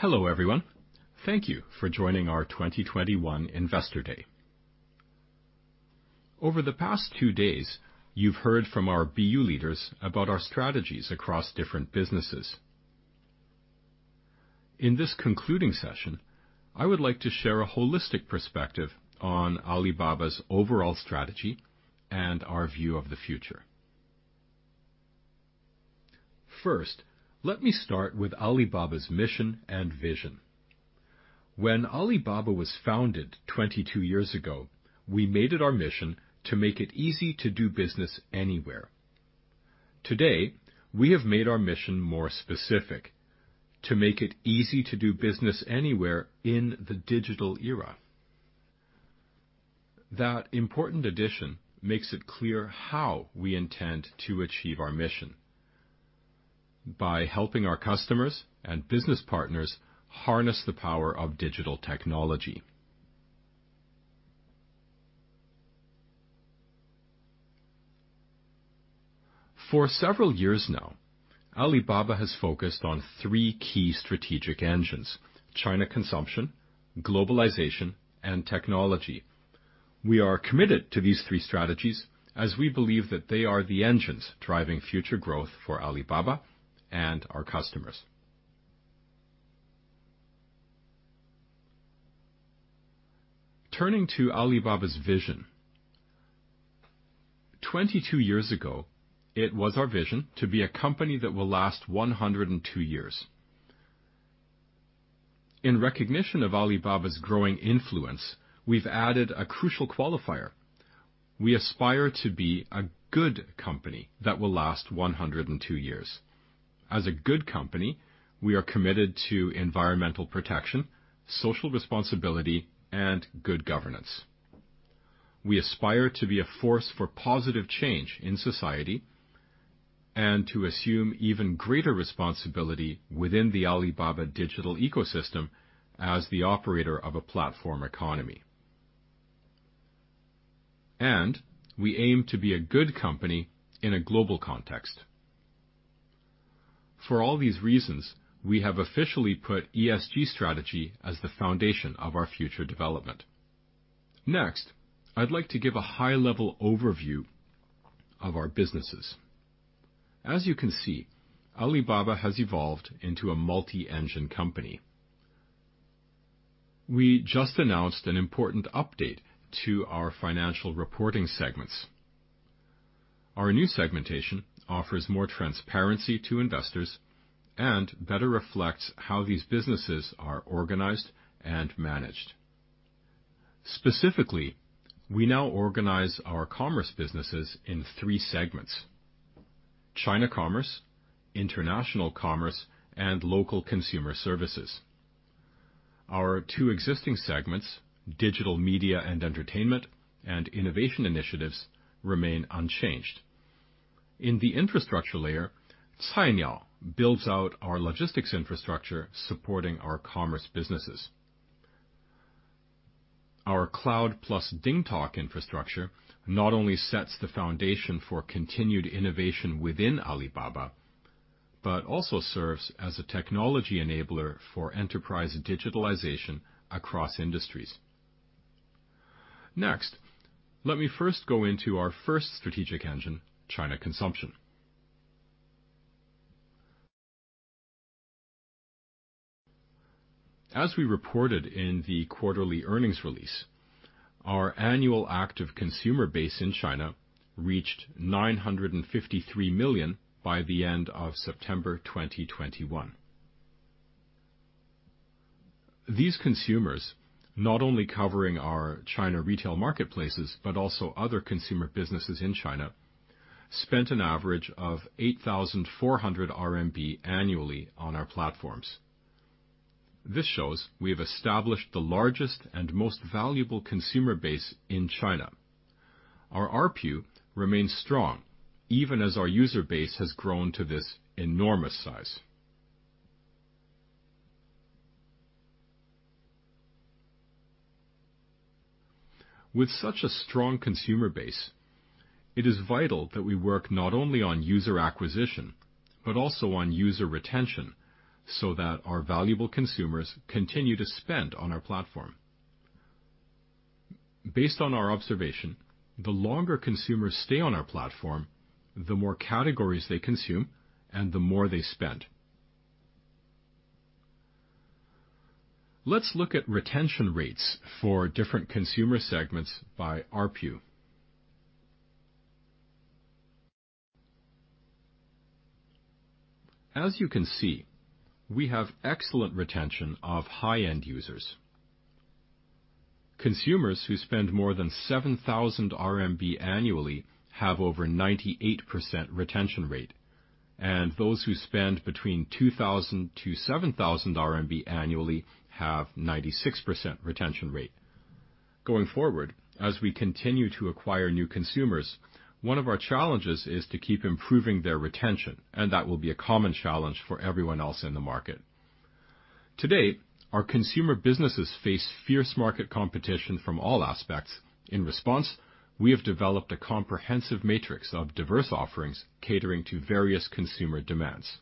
Hello, everyone. Thank you for joining our 2021 Investor Day. Over the past two days, you've heard from our BU leaders about our strategies across different businesses. In this concluding session, I would like to share a holistic perspective on Alibaba's overall strategy and our view of the future. First, let me start with Alibaba's mission and vision. When Alibaba was founded 22 years ago, we made it our mission to make it easy to do business anywhere. Today, we have made our mission more specific, to make it easy to do business anywhere in the digital era. That important addition makes it clear how we intend to achieve our mission by helping our customers and business partners harness the power of digital technology. For several years now, Alibaba has focused on three key strategic engines, China consumption, globalization, and technology. We are committed to these three strategies as we believe that they are the engines driving future growth for Alibaba and our customers. Turning to Alibaba's vision. 22 years ago, it was our vision to be a company that will last 102 years. In recognition of Alibaba's growing influence, we've added a crucial qualifier. We aspire to be a good company that will last 102 years. As a good company, we are committed to environmental protection, social responsibility, and good governance. We aspire to be a force for positive change in society and to assume even greater responsibility within the Alibaba digital ecosystem as the operator of a platform economy. We aim to be a good company in a global context. For all these reasons, we have officially put ESG strategy as the foundation of our future development. Next, I'd like to give a high level overview of our businesses. As you can see, Alibaba has evolved into a multi-engine company. We just announced an important update to our financial reporting segments. Our new segmentation offers more transparency to investors and better reflects how these businesses are organized and managed. Specifically, we now organize our commerce businesses in three segments, China Commerce, International Commerce, and Local Consumer Services. Our two existing segments, Digital Media and Entertainment and Innovation Initiatives, remain unchanged. In the infrastructure layer, Cainiao builds out our logistics infrastructure supporting our commerce businesses. Our cloud plus DingTalk infrastructure not only sets the foundation for continued innovation within Alibaba, but also serves as a technology enabler for enterprise digitalization across industries. Next, let me first go into our first strategic engine, China Consumption. As we reported in the quarterly earnings release, our annual active consumer base in China reached 953 million by the end of September 2021. These consumers, not only covering our China retail marketplaces, but also other consumer businesses in China, spent an average of 8,400 RMB annually on our platforms. This shows we have established the largest and most valuable consumer base in China. Our ARPU remains strong even as our user base has grown to this enormous size. With such a strong consumer base, it is vital that we work not only on user acquisition, but also on user retention, so that our valuable consumers continue to spend on our platform. Based on our observation, the longer consumers stay on our platform, the more categories they consume and the more they spend. Let's look at retention rates for different consumer segments by ARPU. As you can see, we have excellent retention of high-end users. Consumers who spend more than 7,000 RMB annually have over 98% retention rate, and those who spend between 2,000-7,000 RMB annually have 96% retention rate. Going forward, as we continue to acquire new consumers, one of our challenges is to keep improving their retention, and that will be a common challenge for everyone else in the market. Today, our consumer businesses face fierce market competition from all aspects. In response, we have developed a comprehensive matrix of diverse offerings catering to various consumer demands.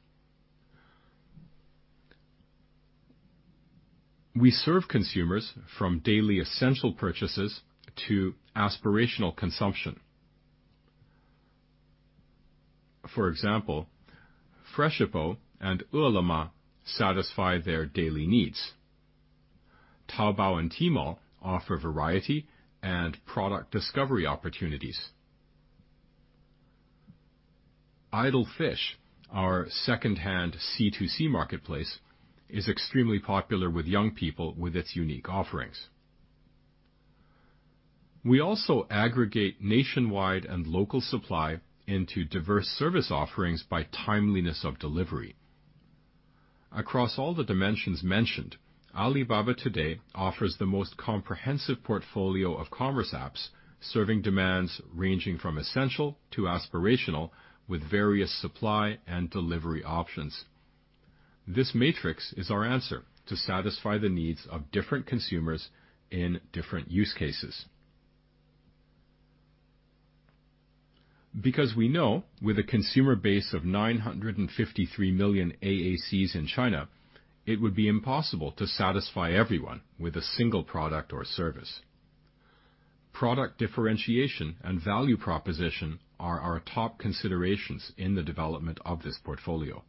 We serve consumers from daily essential purchases to aspirational consumption. For example, Freshippo and Ele.me satisfy their daily needs. Taobao and Tmall offer variety and product discovery opportunities. Xianyu, our second-hand C2C marketplace, is extremely popular with young people with its unique offerings. We also aggregate nationwide and local supply into diverse service offerings by timeliness of delivery. Across all the dimensions mentioned, Alibaba today offers the most comprehensive portfolio of commerce apps, serving demands ranging from essential to aspirational with various supply and delivery options. This matrix is our answer to satisfy the needs of different consumers in different use cases. Because we know with a consumer base of 953 million AACs in China, it would be impossible to satisfy everyone with a single product or service. Product differentiation and value proposition are our top considerations in the development of this portfolio.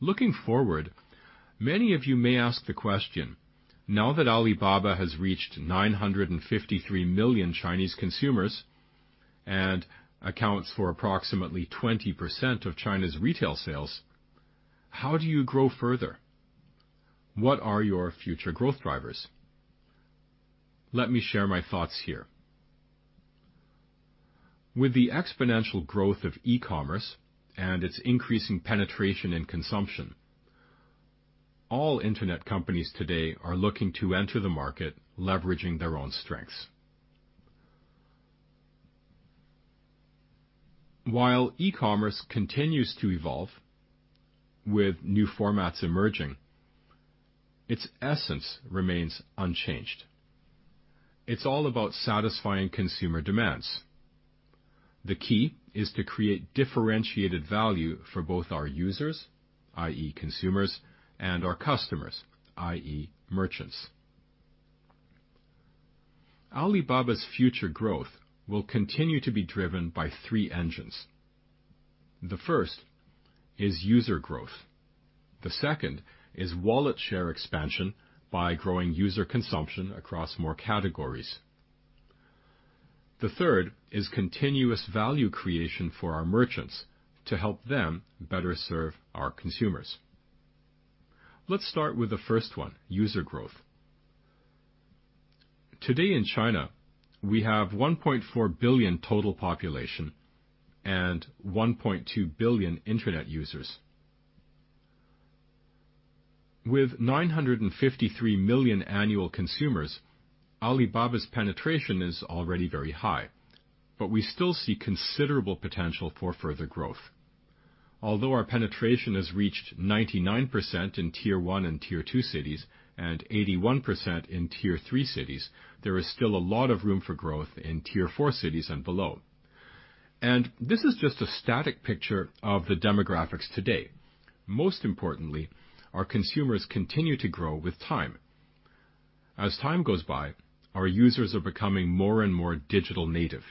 Looking forward, many of you may ask the question, now that Alibaba has reached 953 million Chinese consumers and accounts for approximately 20% of China's retail sales, how do you grow further? What are your future growth drivers? Let me share my thoughts here. With the exponential growth of e-commerce and its increasing penetration in consumption, all internet companies today are looking to enter the market leveraging their own strengths. While e-commerce continues to evolve with new formats emerging, its essence remains unchanged. It's all about satisfying consumer demands. The key is to create differentiated value for both our users, i.e. consumers, and our customers, i.e. merchants. Alibaba's future growth will continue to be driven by three engines. The first is user growth. The second is wallet share expansion by growing user consumption across more categories. The third is continuous value creation for our merchants to help them better serve our consumers. Let's start with the first one, user growth. Today in China, we have 1.4 billion total population and 1.2 billion internet users. With 953 million annual consumers, Alibaba's penetration is already very high, but we still see considerable potential for further growth. Although our penetration has reached 99% in Tier one and Tier two cities and 81% in Tier three cities, there is still a lot of room for growth in Tier four cities and below. This is just a static picture of the demographics today. Most importantly, our consumers continue to grow with time. As time goes by, our users are becoming more and more digital native.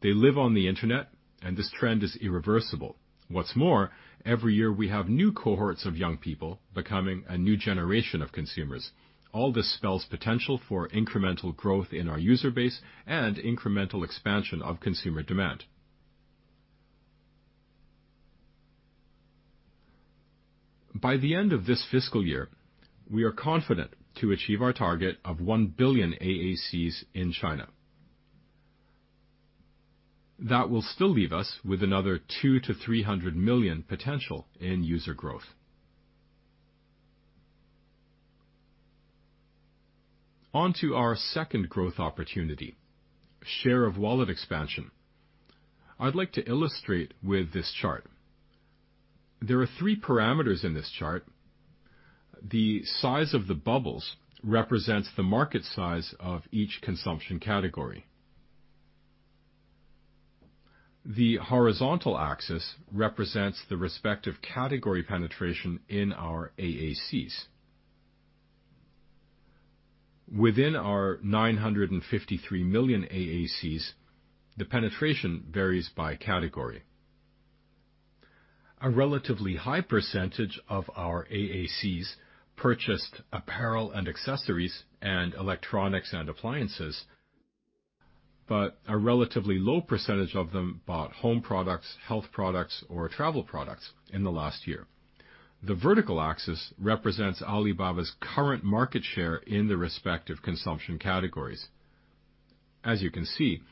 They live on the internet, and this trend is irreversible. What's more, every year we have new cohorts of young people becoming a new generation of consumers. All this spells potential for incremental growth in our user base and incremental expansion of consumer demand. By the end of this fiscal year, we are confident to achieve our target of 1 billion AACs in China. That will still leave us with another 200-300 million potential in user growth. On to our second growth opportunity, share of wallet expansion. I'd like to illustrate with this chart. There are three parameters in this chart. The size of the bubbles represents the market size of each consumption category. The horizontal axis represents the respective category penetration in our AACs. Within our 953 million AACs, the penetration varies by category. A relatively high percentage of our AACs purchased apparel and accessories and electronics and appliances, but a relatively low percentage of them bought home products, health products, or travel products in the last year. The vertical axis represents Alibaba's current market share in the respective consumption categories. As you can see,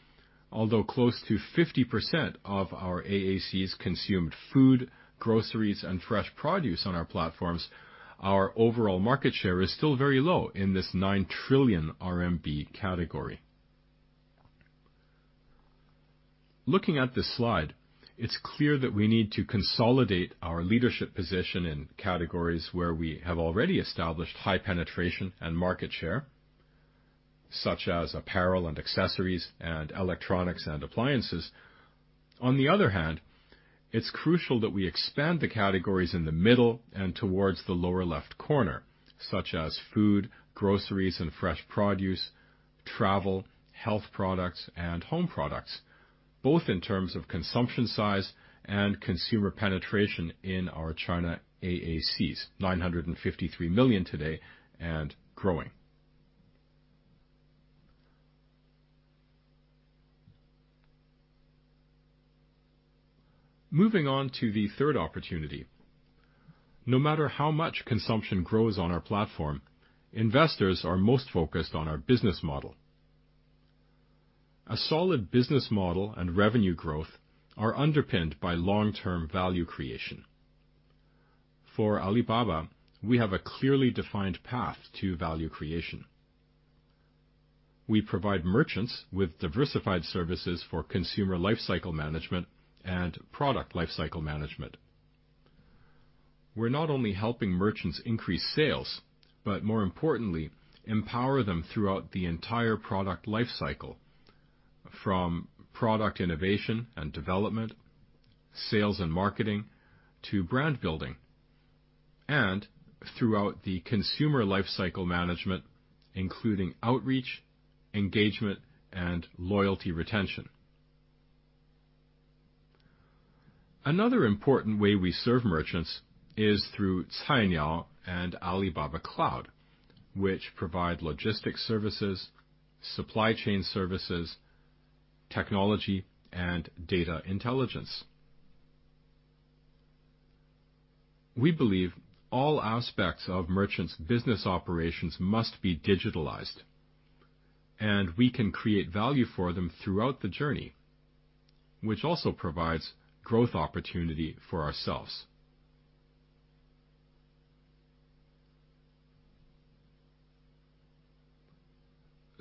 although close to 50% of our AACs consumed food, groceries, and fresh produce on our platforms, our overall market share is still very low in this 9 trillion RMB category. Looking at this slide, it's clear that we need to consolidate our leadership position in categories where we have already established high penetration and market share, such as apparel and accessories and electronics and appliances. On the other hand, it's crucial that we expand the categories in the middle and towards the lower left corner, such as food, groceries and fresh produce, travel, health products, and home products, both in terms of consumption size and consumer penetration in our China AACs, 953 million today and growing. Moving on to the third opportunity. No matter how much consumption grows on our platform, investors are most focused on our business model. A solid business model and revenue growth are underpinned by long-term value creation. For Alibaba, we have a clearly defined path to value creation. We provide merchants with diversified services for consumer lifecycle management and product lifecycle management. We're not only helping merchants increase sales, but more importantly, empower them throughout the entire product lifecycle, from product innovation and development, sales and marketing, to brand building, and throughout the consumer lifecycle management, including outreach, engagement, and loyalty retention. Another important way we serve merchants is through Cainiao and Alibaba Cloud, which provide logistics services, supply chain services, technology, and data intelligence. We believe all aspects of merchants' business operations must be digitalized, and we can create value for them throughout the journey, which also provides growth opportunity for ourselves.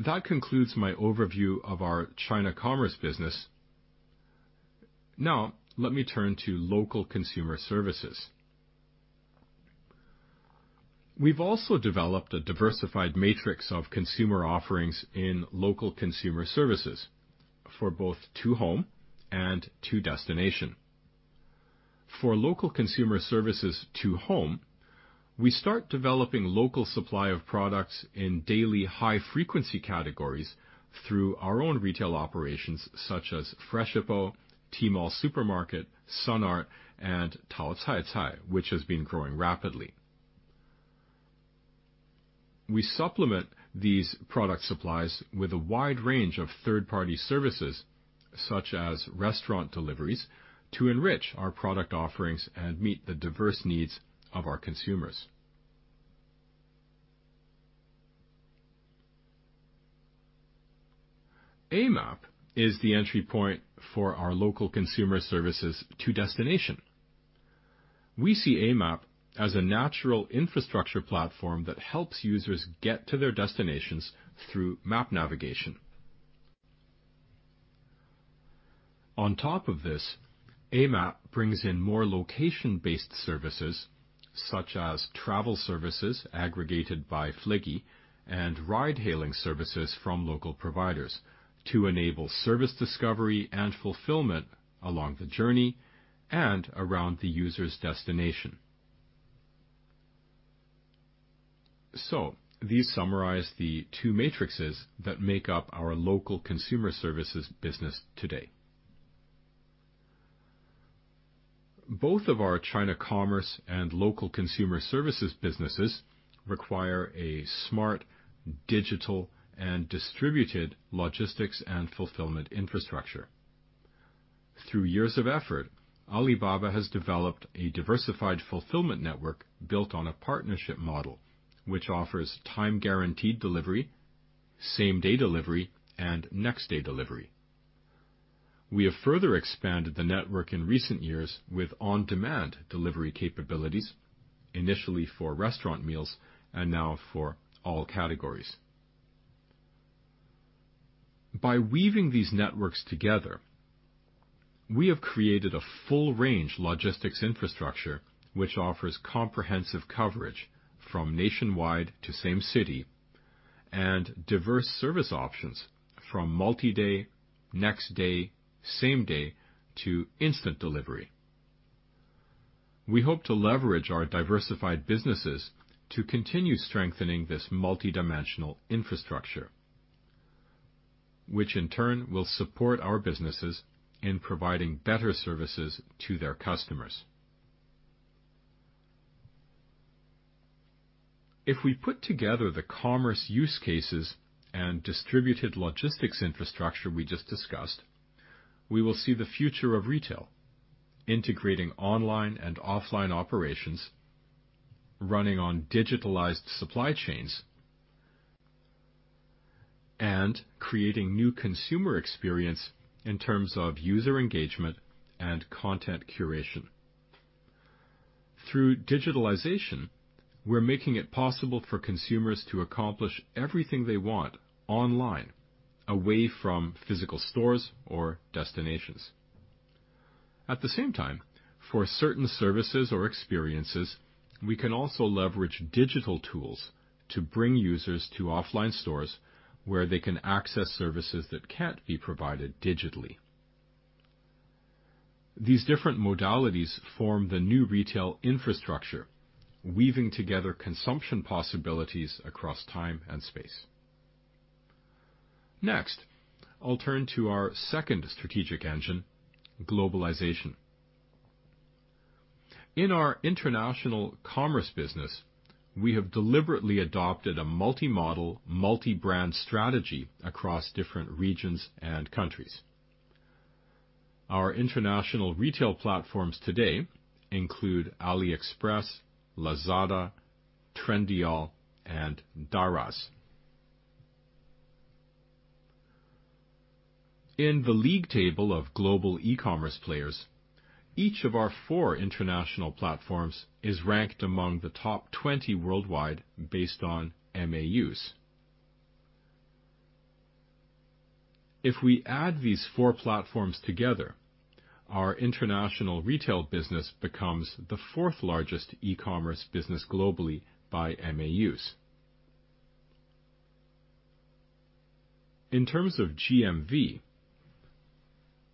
That concludes my overview of our China Commerce business. Now let me turn to Local Consumer Services. We've also developed a diversified matrix of consumer offerings in local consumer services for both to home and to destination. For local consumer services to home, we start developing local supply of products in daily high-frequency categories through our own retail operations, such as Freshippo, Tmall Supermarket, Sun Art, and Taocaicai, which has been growing rapidly. We supplement these product supplies with a wide range of third-party services, such as restaurant deliveries, to enrich our product offerings and meet the diverse needs of our consumers. Amap is the entry point for our local consumer services to destination. We see Amap as a natural infrastructure platform that helps users get to their destinations through map navigation. On top of this, Amap brings in more location-based services, such as travel services aggregated by Fliggy and ride-hailing services from local providers to enable service discovery and fulfillment along the journey and around the user's destination. These summarize the two matrices that make up our local consumer services business today. Both of our China commerce and local consumer services businesses require a smart, digital, and distributed logistics and fulfillment infrastructure. Through years of effort, Alibaba has developed a diversified fulfillment network built on a partnership model, which offers time-guaranteed delivery, same-day delivery, and next-day delivery. We have further expanded the network in recent years with on-demand delivery capabilities, initially for restaurant meals and now for all categories. By weaving these networks together, we have created a full range logistics infrastructure, which offers comprehensive coverage from nationwide to same city and diverse service options from multi-day, next day, same day to instant delivery. We hope to leverage our diversified businesses to continue strengthening this multidimensional infrastructure, which in turn will support our businesses in providing better services to their customers. If we put together the commerce use cases and distributed logistics infrastructure we just discussed, we will see the future of retail integrating online and offline operations, running on digitalized supply chains, and creating new consumer experience in terms of user engagement and content curation. Through digitalization, we're making it possible for consumers to accomplish everything they want online, away from physical stores or destinations. At the same time, for certain services or experiences, we can also leverage digital tools to bring users to offline stores where they can access services that can't be provided digitally. These different modalities form the new retail infrastructure, weaving together consumption possibilities across time and space. Next, I'll turn to our second strategic engine, globalization. In our international commerce business, we have deliberately adopted a multi-modal, multi-brand strategy across different regions and countries. Our international retail platforms today include AliExpress, Lazada, Trendyol, and Daraz. In the league table of global e-commerce players, each of our four international platforms is ranked among the top twenty worldwide based on MAUs. If we add these four platforms together, our international retail business becomes the fourth largest e-commerce business globally by MAUs. In terms of GMV,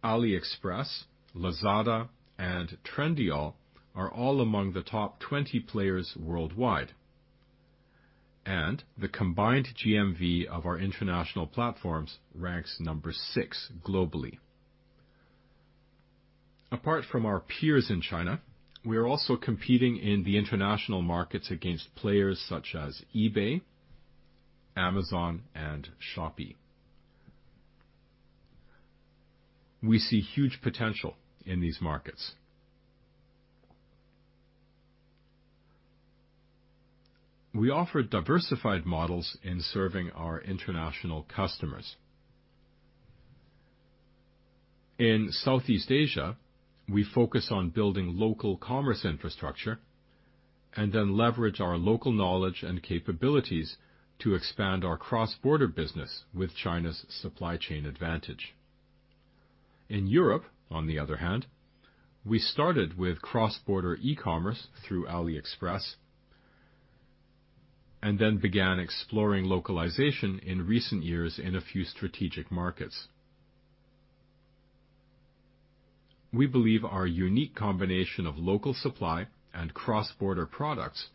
AliExpress, Lazada, and Trendyol are all among the top twenty players worldwide. The combined GMV of our international platforms ranks number six globally. Apart from our peers in China, we are also competing in the international markets against players such as eBay, Amazon, and Shopee. We see huge potential in these markets. We offer diversified models in serving our international customers. In Southeast Asia, we focus on building local commerce infrastructure and then leverage our local knowledge and capabilities to expand our cross-border business with China's supply chain advantage. In Europe, on the other hand, we started with cross-border e-commerce through AliExpress and then began exploring localization in recent years in a few strategic markets. We believe our unique combination of local supply and cross-border products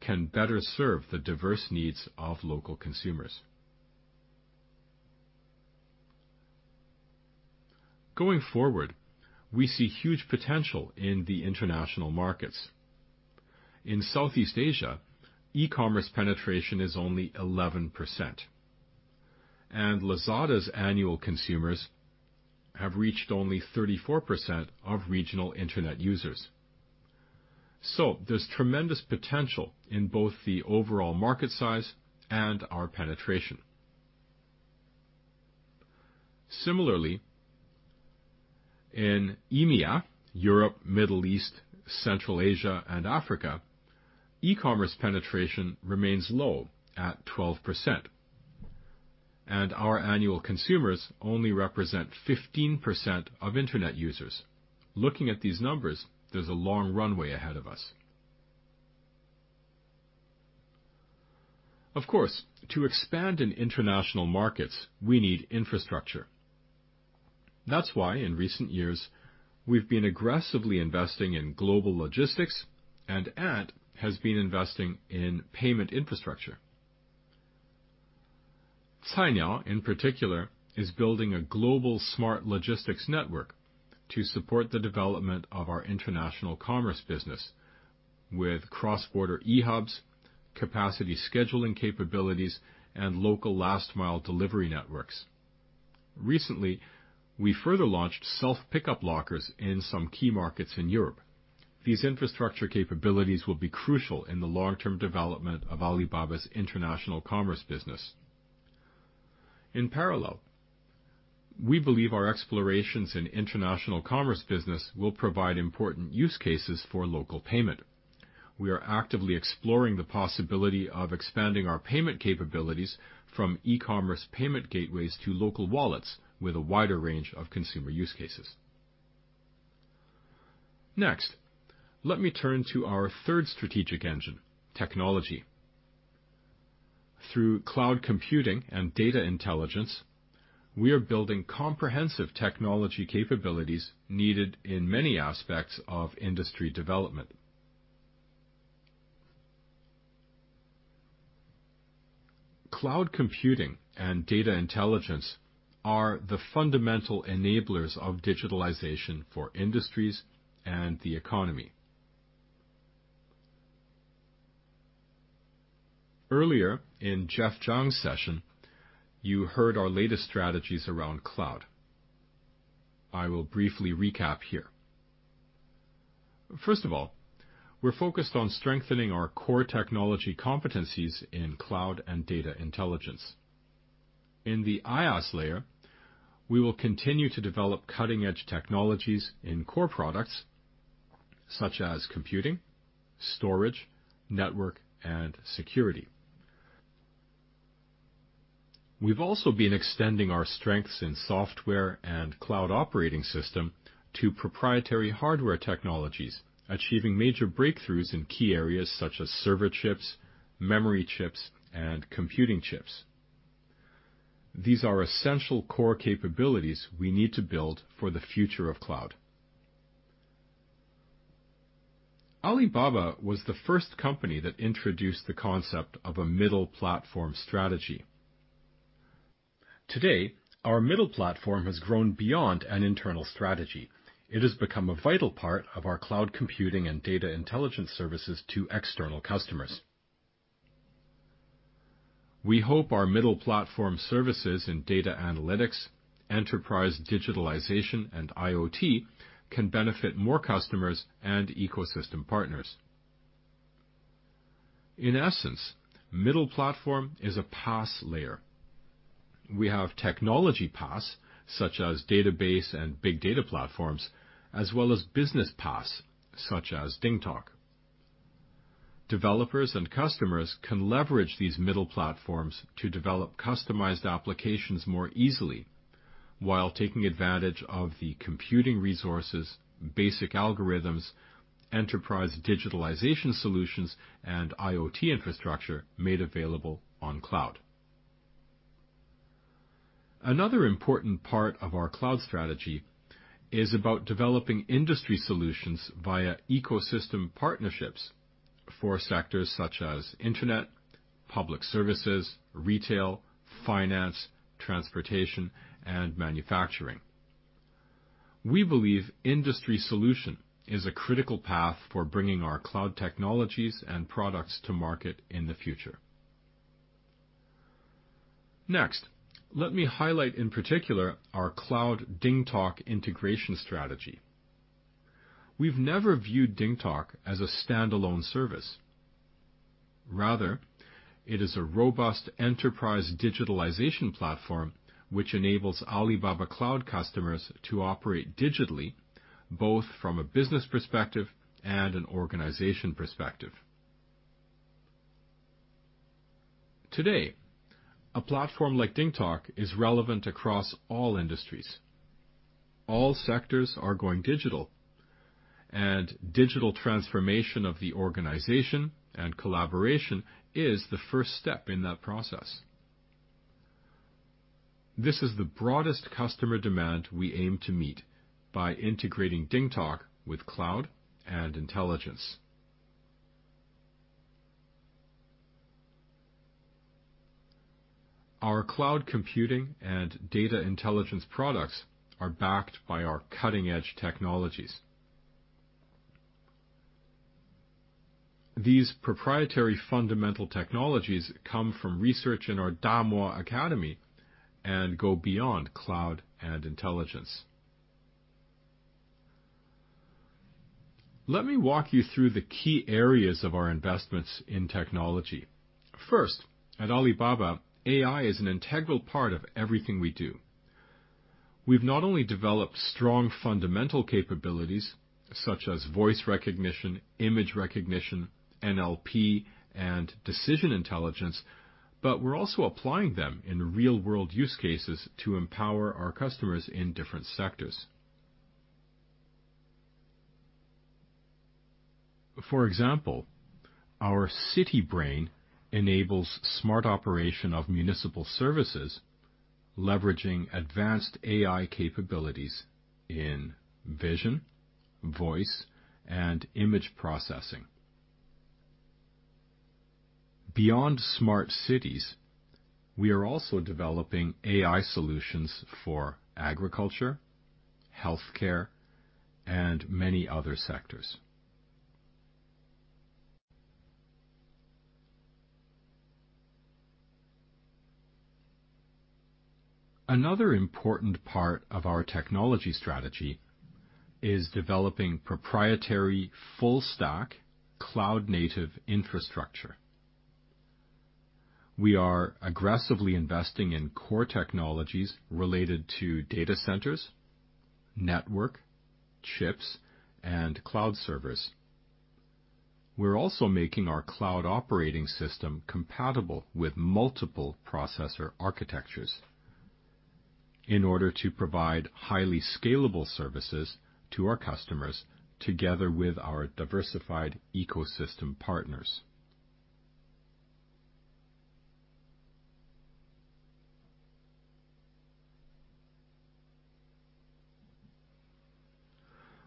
can better serve the diverse needs of local consumers. Going forward, we see huge potential in the international markets. In Southeast Asia, e-commerce penetration is only 11%, and Lazada's annual consumers have reached only 34% of regional internet users. There's tremendous potential in both the overall market size and our penetration. Similarly, in EMEA, Europe, Middle East, Central Asia, and Africa, e-commerce penetration remains low at 12%, and our annual consumers only represent 15% of internet users. Looking at these numbers, there's a long runway ahead of us. Of course, to expand in international markets, we need infrastructure. That's why in recent years, we've been aggressively investing in global logistics and Ant has been investing in payment infrastructure. Cainiao, in particular, is building a global smart logistics network to support the development of our international commerce business with cross-border eHubs, capacity scheduling capabilities, and local last mile delivery networks. Recently, we further launched self-pickup lockers in some key markets in Europe. These infrastructure capabilities will be crucial in the long-term development of Alibaba's international commerce business. In parallel, we believe our explorations in international commerce business will provide important use cases for local payment. We are actively exploring the possibility of expanding our payment capabilities from e-commerce payment gateways to local wallets with a wider range of consumer use cases. Next, let me turn to our third strategic engine, technology. Through cloud computing and data intelligence, we are building comprehensive technology capabilities needed in many aspects of industry development. Cloud computing and data intelligence are the fundamental enablers of digitalization for industries and the economy. Earlier in Jeff Zhang's session, you heard our latest strategies around cloud. I will briefly recap here. First of all, we're focused on strengthening our core technology competencies in cloud and data intelligence. In the IaaS layer, we will continue to develop cutting-edge technologies in core products such as computing, storage, network, and security. We've also been extending our strengths in software and cloud operating system to proprietary hardware technologies, achieving major breakthroughs in key areas such as server chips, memory chips, and computing chips. These are essential core capabilities we need to build for the future of cloud. Alibaba was the first company that introduced the concept of a middle platform strategy. Today, our middle platform has grown beyond an internal strategy. It has become a vital part of our cloud computing and data intelligence services to external customers. We hope our middle platform services in data analytics, enterprise digitalization, and IoT can benefit more customers and ecosystem partners. In essence, middle platform is a PaaS layer. We have technology PaaS such as database and big data platforms, as well as business PaaS such as DingTalk. Developers and customers can leverage these middle platforms to develop customized applications more easily while taking advantage of the computing resources, basic algorithms, enterprise digitalization solutions, and IoT infrastructure made available on cloud. Another important part of our cloud strategy is about developing industry solutions via ecosystem partnerships for sectors such as internet, public services, retail, finance, transportation, and manufacturing. We believe industry solution is a critical path for bringing our cloud technologies and products to market in the future. Next, let me highlight in particular our cloud DingTalk integration strategy. We've never viewed DingTalk as a standalone service. Rather, it is a robust enterprise digitalization platform which enables Alibaba Cloud customers to operate digitally, both from a business perspective and an organization perspective. Today, a platform like DingTalk is relevant across all industries. All sectors are going digital, and digital transformation of the organization and collaboration is the first step in that process. This is the broadest customer demand we aim to meet by integrating DingTalk with cloud and intelligence. Our cloud computing and data intelligence products are backed by our cutting-edge technologies. These proprietary fundamental technologies come from research in our DAMO Academy and go beyond cloud and intelligence. Let me walk you through the key areas of our investments in technology. First, at Alibaba, AI is an integral part of everything we do. We've not only developed strong fundamental capabilities such as voice recognition, image recognition, NLP, and decision intelligence, but we're also applying them in real-world use cases to empower our customers in different sectors. For example, our City Brain enables smart operation of municipal services, leveraging advanced AI capabilities in vision, voice, and image processing. Beyond smart cities, we are also developing AI solutions for agriculture, healthcare, and many other sectors. Another important part of our technology strategy is developing proprietary full stack cloud native infrastructure. We are aggressively investing in core technologies related to data centers, network, chips, and cloud servers. We're also making our cloud operating system compatible with multiple processor architectures in order to provide highly scalable services to our customers together with our diversified ecosystem partners.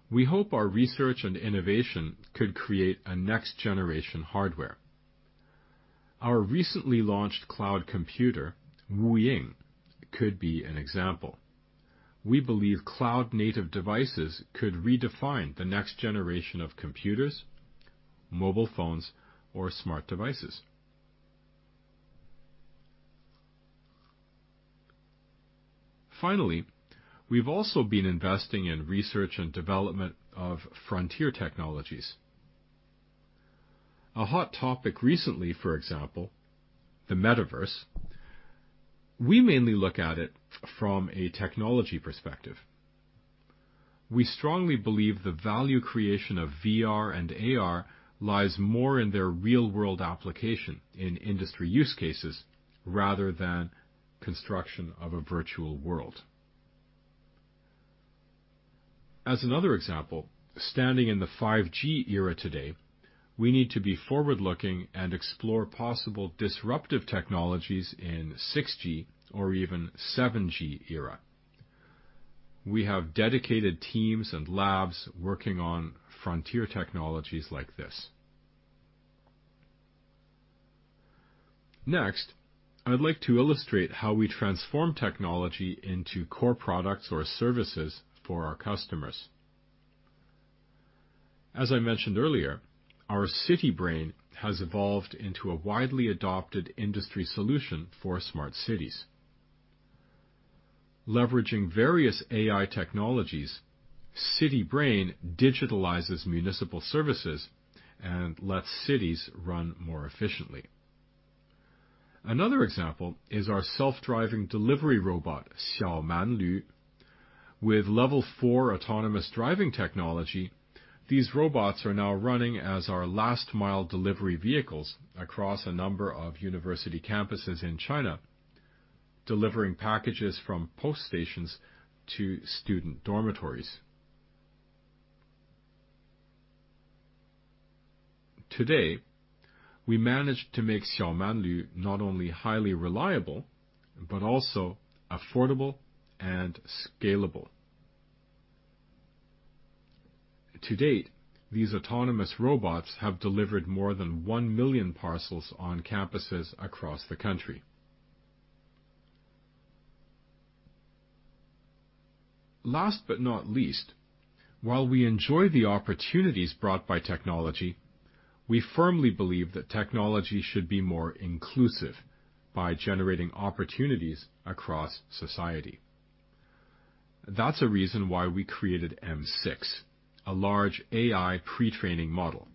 We hope our research and innovation could create a next-generation hardware. Our recently launched cloud computer, Wuying, could be an example. We believe cloud native devices could redefine the next generation of computers, mobile phones, or smart devices. Finally, we've also been investing in research and development of frontier technologies. A hot topic recently, for example, the Metaverse, we mainly look at it from a technology perspective. We strongly believe the value creation of VR and AR lies more in their real-world application in industry use cases rather than construction of a virtual world. As another example, standing in the 5G era today, we need to be forward-looking and explore possible disruptive technologies in 6G or even 7G era. We have dedicated teams and labs working on frontier technologies like this. Next, I would like to illustrate how we transform technology into core products or services for our customers. As I mentioned earlier, our City Brain has evolved into a widely adopted industry solution for smart cities. Leveraging various AI technologies, City Brain digitalizes municipal services and lets cities run more efficiently. Another example is our self-driving delivery robot, Xiaomanlv. With level four autonomous driving technology, these robots are now running as our last-mile delivery vehicles across a number of university campuses in China, delivering packages from post stations to student dormitories. Today, we managed to make Xiaomanlv not only highly reliable, but also affordable and scalable. To date, these autonomous robots have delivered more than 1 million parcels on campuses across the country. Last but not least, while we enjoy the opportunities brought by technology, we firmly believe that technology should be more inclusive by generating opportunities across society. That's a reason why we created M6, a large AI pre-training model.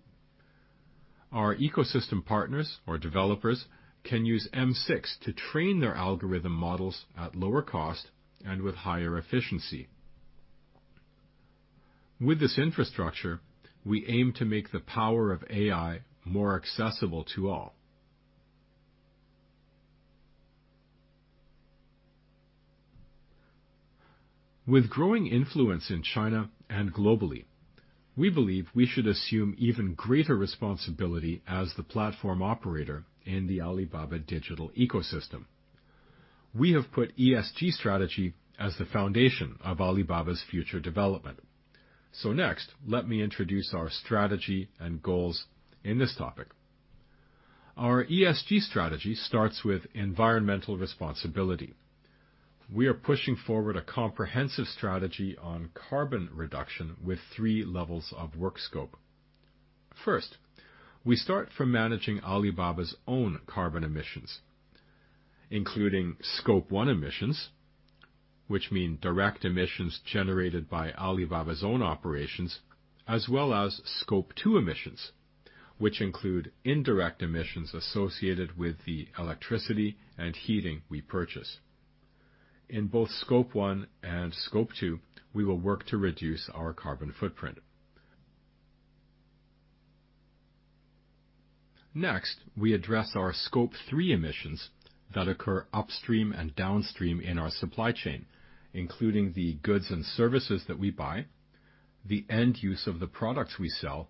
Our ecosystem partners or developers can use M6 to train their algorithm models at lower cost and with higher efficiency. With this infrastructure, we aim to make the power of AI more accessible to all. With growing influence in China and globally, we believe we should assume even greater responsibility as the platform operator in the Alibaba digital ecosystem. We have put ESG strategy as the foundation of Alibaba's future development. Next, let me introduce our strategy and goals in this topic. Our ESG strategy starts with environmental responsibility. We are pushing forward a comprehensive strategy on carbon reduction with three levels of work scope. First, we start from managing Alibaba's own carbon emissions, including Scope 1 emissions, which mean direct emissions generated by Alibaba's own operations, as well as Scope 2 emissions, which include indirect emissions associated with the electricity and heating we purchase. In both Scope 1 and Scope 2, we will work to reduce our carbon footprint. Next, we address our Scope 3 emissions that occur upstream and downstream in our supply chain, including the goods and services that we buy, the end use of the products we sell,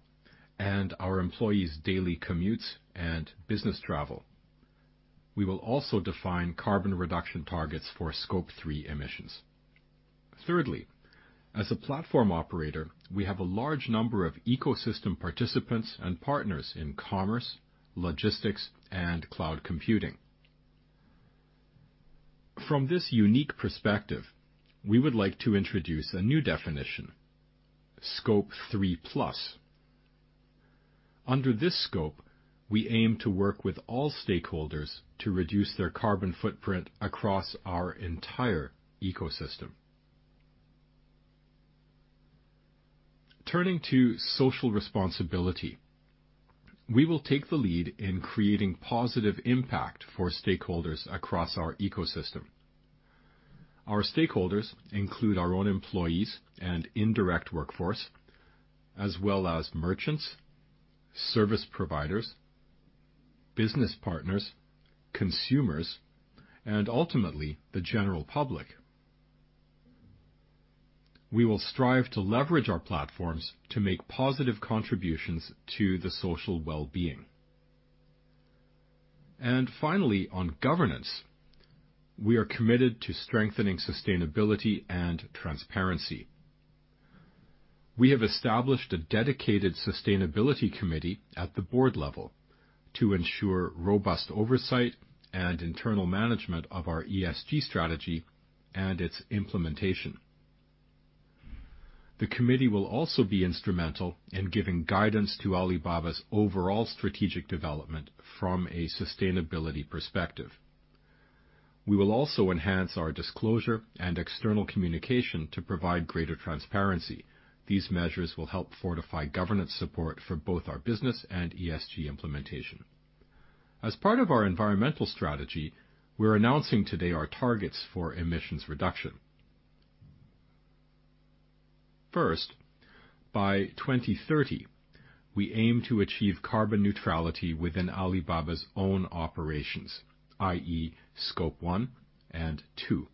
and our employees' daily commutes and business travel. We will also define carbon reduction targets for Scope 3 emissions. Thirdly, as a platform operator, we have a large number of ecosystem participants and partners in commerce, logistics, and cloud computing. From this unique perspective, we would like to introduce a new definition, Scope 3+. Under this scope, we aim to work with all stakeholders to reduce their carbon footprint across our entire ecosystem. Turning to social responsibility, we will take the lead in creating positive impact for stakeholders across our ecosystem. Our stakeholders include our own employees and indirect workforce, as well as merchants, service providers, business partners, consumers, and ultimately, the general public. We will strive to leverage our platforms to make positive contributions to the social well-being. Finally, on governance, we are committed to strengthening sustainability and transparency. We have established a dedicated sustainability committee at the board level to ensure robust oversight and internal management of our ESG strategy and its implementation. The committee will also be instrumental in giving guidance to Alibaba's overall strategic development from a sustainability perspective. We will also enhance our disclosure and external communication to provide greater transparency. These measures will help fortify governance support for both our business and ESG implementation. As part of our environmental strategy, we're announcing today our targets for emissions reduction. First, by 2030, we aim to achieve carbon neutrality within Alibaba's own operations, i.e., Scope 1 and 2.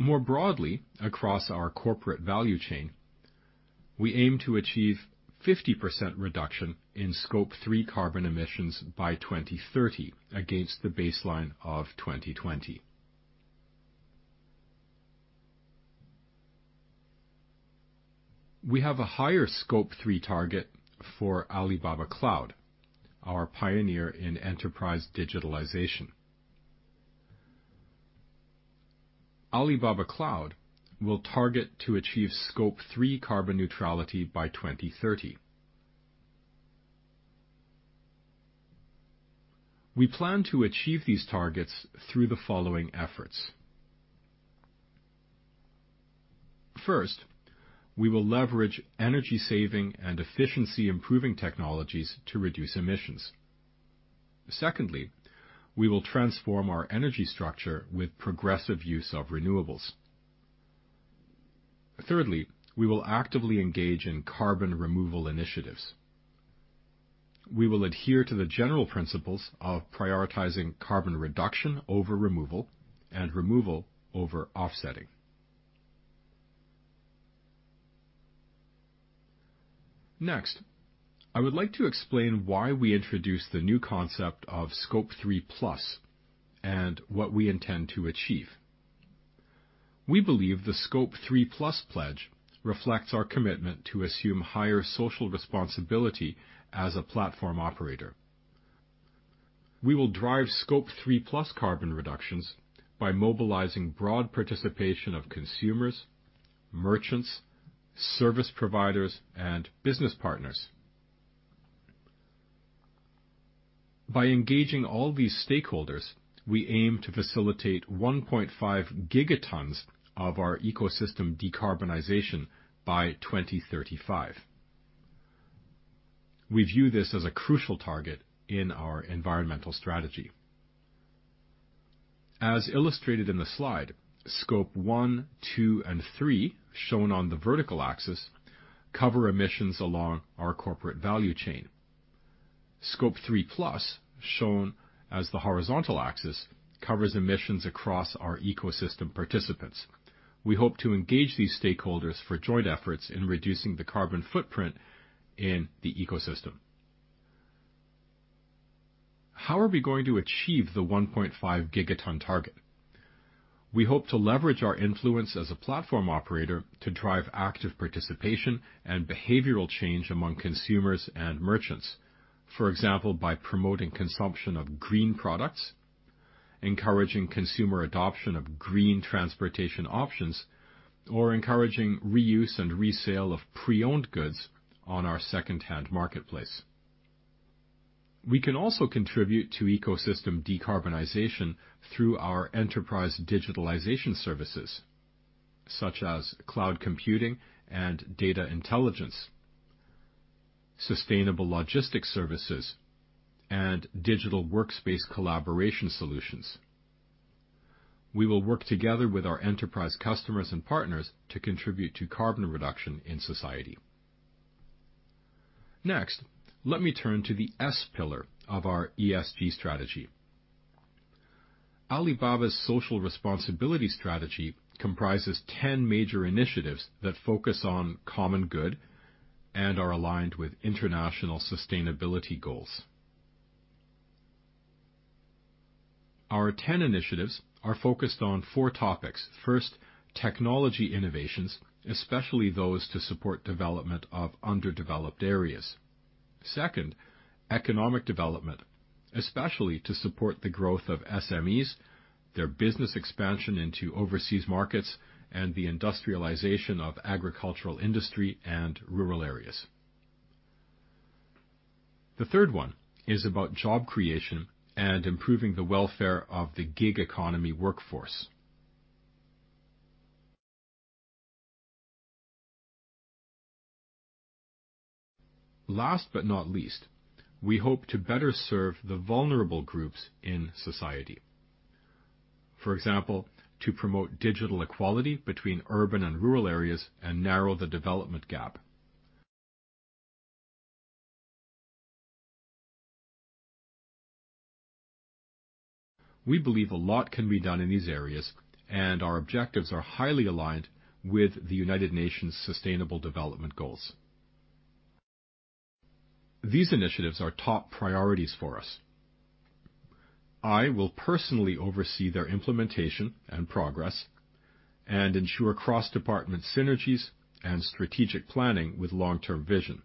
More broadly, across our corporate value chain, we aim to achieve 50% reduction in Scope 3 carbon emissions by 2030 against the baseline of 2020. We have a higher Scope 3 target for Alibaba Cloud, our pioneer in enterprise digitalization. Alibaba Cloud will target to achieve Scope 3 carbon neutrality by 2030. We plan to achieve these targets through the following efforts. First, we will leverage energy saving and efficiency improving technologies to reduce emissions. Secondly, we will transform our energy structure with progressive use of renewables. Thirdly, we will actively engage in carbon removal initiatives. We will adhere to the general principles of prioritizing carbon reduction over removal and removal over offsetting. Next, I would like to explain why we introduced the new concept of Scope 3+ and what we intend to achieve. We believe the Scope 3+ pledge reflects our commitment to assume higher social responsibility as a platform operator. We will drive Scope 3+ carbon reductions by mobilizing broad participation of consumers, merchants, service providers, and business partners. By engaging all these stakeholders, we aim to facilitate 1.5 gigatons of our ecosystem decarbonization by 2035. We view this as a crucial target in our environmental strategy. As illustrated in the slide, Scope 1, 2, and 3, shown on the vertical axis, cover emissions along our corporate value chain. Scope 3+, shown as the horizontal axis, covers emissions across our ecosystem participants. We hope to engage these stakeholders for joint efforts in reducing the carbon footprint in the ecosystem. How are we going to achieve the 1.5 gigaton target? We hope to leverage our influence as a platform operator to drive active participation and behavioral change among consumers and merchants. For example, by promoting consumption of green products, encouraging consumer adoption of green transportation options, or encouraging reuse and resale of pre-owned goods on our second-hand marketplace. We can also contribute to ecosystem decarbonization through our enterprise digitalization services such as cloud computing and data intelligence, sustainable logistics services, and digital workspace collaboration solutions. We will work together with our enterprise customers and partners to contribute to carbon reduction in society. Next, let me turn to the S pillar of our ESG strategy. Alibaba's social responsibility strategy comprises ten major initiatives that focus on common good and are aligned with international sustainability goals. Our ten initiatives are focused on four topics. First, technology innovations, especially those to support development of underdeveloped areas. Second, economic development, especially to support the growth of SMEs, their business expansion into overseas markets, and the industrialization of agricultural industry and rural areas. The third one is about job creation and improving the welfare of the gig economy workforce. Last but not least, we hope to better serve the vulnerable groups in society. For example, to promote digital equality between urban and rural areas and narrow the development gap. We believe a lot can be done in these areas, and our objectives are highly aligned with the United Nations Sustainable Development Goals. These initiatives are top priorities for us. I will personally oversee their implementation and progress and ensure cross-department synergies and strategic planning with long-term vision.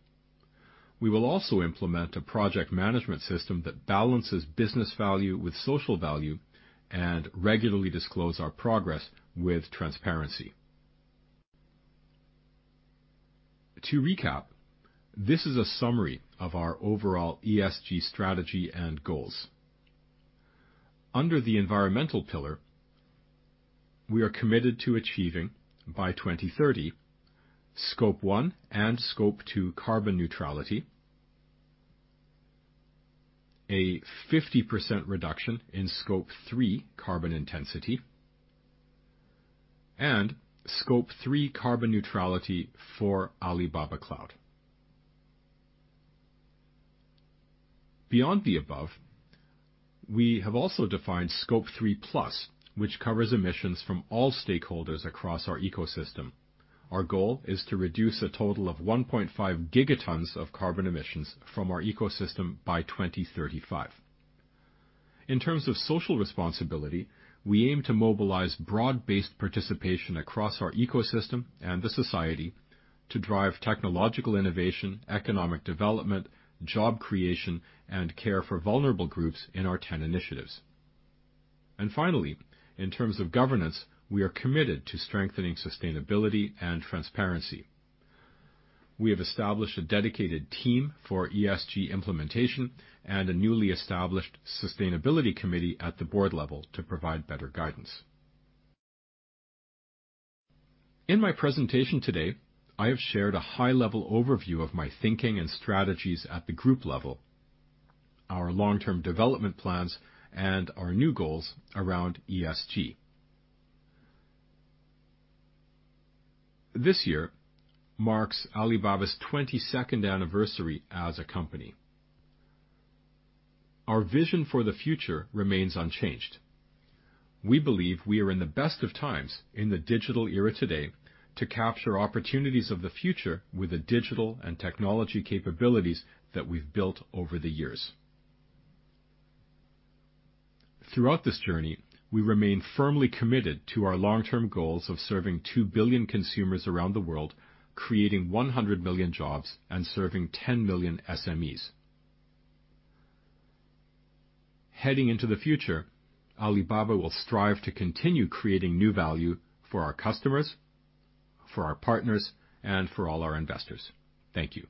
We will also implement a project management system that balances business value with social value and regularly disclose our progress with transparency. To recap, this is a summary of our overall ESG strategy and goals. Under the environmental pillar, we are committed to achieving by 2030 Scope 1 and Scope 2 carbon neutrality, a 50% reduction in Scope 3 carbon intensity, and Scope 3 carbon neutrality for Alibaba Cloud. Beyond the above, we have also defined Scope 3+, which covers emissions from all stakeholders across our ecosystem. Our goal is to reduce a total of 1.5 gigatons of carbon emissions from our ecosystem by 2035. In terms of social responsibility, we aim to mobilize broad-based participation across our ecosystem and the society to drive technological innovation, economic development, job creation, and care for vulnerable groups in our ten initiatives. Finally, in terms of governance, we are committed to strengthening sustainability and transparency. We have established a dedicated team for ESG implementation and a newly established sustainability committee at the board level to provide better guidance. In my presentation today, I have shared a high-level overview of my thinking and strategies at the group level, our long-term development plans, and our new goals around ESG. This year marks Alibaba's 22nd anniversary as a company. Our vision for the future remains unchanged. We believe we are in the best of times in the digital era today to capture opportunities of the future with the digital and technology capabilities that we've built over the years. Throughout this journey, we remain firmly committed to our long-term goals of serving 2 billion consumers around the world, creating 100 million jobs, and serving 10 million SMEs. Heading into the future, Alibaba will strive to continue creating new value for our customers, for our partners, and for all our investors. Thank you.